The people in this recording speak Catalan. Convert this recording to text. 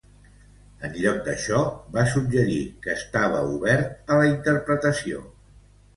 En lloc d'això, va suggerir que estaven oberta a la interpretació.